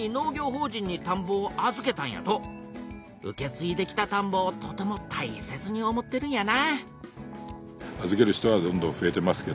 受けついできたたんぼをとてもたいせつに思ってるんやな